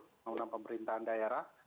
undang undang pemerintahan daerah